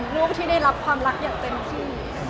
ลูกที่ได้รับความรักอย่างเต็มที่